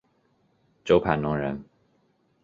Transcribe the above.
周盘龙人。